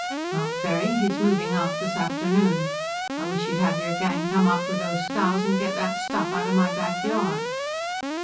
"Not very. He's moving out this afternoon. I wish you'd have your gang come up with those scows and get that stuff out of my back yard."